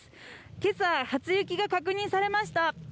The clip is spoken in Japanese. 今朝、初雪が確認されました。